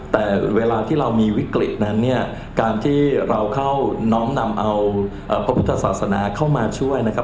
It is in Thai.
แต่เวลาที่เรามีวิกฤตนั้นเนี่ยการที่เราเข้าน้อมนำเอาพระพุทธศาสนาเข้ามาช่วยนะครับ